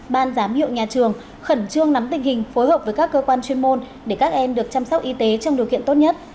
ban giám hiệu nhà trường khẩn trương nắm tình hình phối hợp với các cơ quan chuyên môn để các em được chăm sóc y tế trong điều kiện tốt nhất